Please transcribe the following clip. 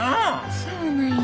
そうなんや。